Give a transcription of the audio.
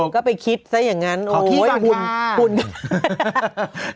ก็ไปคิดซะอย่างนั้นของที่ฟังค่ะ